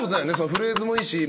フレーズもいいし間と。